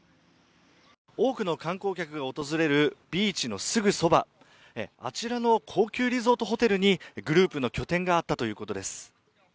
多くの観光客か訪れるビーチのすぐそば、あちらの高級リゾートホテルにグループの拠点があったということです。